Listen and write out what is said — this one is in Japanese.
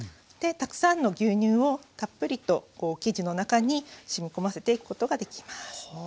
でたくさんの牛乳をたっぷりと生地の中にしみ込ませていくことができます。